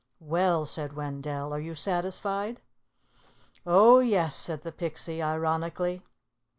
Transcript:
"Well," said Wendell, "are you satisfied?" "Oh, yes," said the Pixie, ironically.